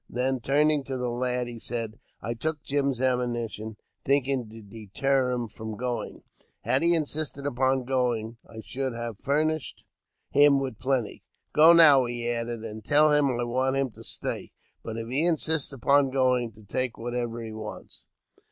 Then turning to the lad, he said, '' I took Jim's ammunition, thinking to deter him from going; had he insisted upon going, I should have furnished him with plenty. Go now," he added, *' and tell him I want him to stay, but if he insists upon going, to take whatever he wants."